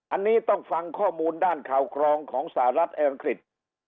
อันนี้ต้องฟังข้อมูลด้านข่าวครองของสหรัฐอังกฤษ